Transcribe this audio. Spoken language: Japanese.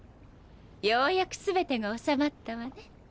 ようやく全てが収まったわね。